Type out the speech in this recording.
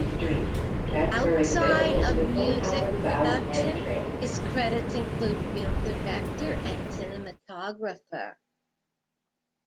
Outside of music production, his credits include film director and cinematographer.